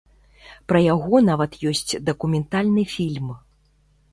Пра яго нават ёсць дакументальны фільм.